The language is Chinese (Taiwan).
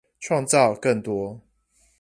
創造更多